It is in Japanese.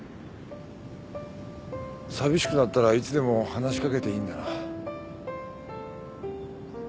寂しくなったらいつでも話し掛けていいんだな